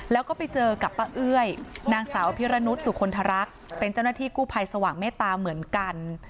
แล้วก็ไปเจอกับป้าเอ้ยนางสาวพิรณุษสุคลทรักเป็นเจ้าหน้าที่กู้ภัยสว่างเมตตาเหมือนกัน